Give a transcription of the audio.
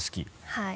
はい。